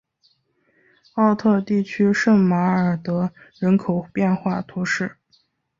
奥特地区圣马尔德人口变化图示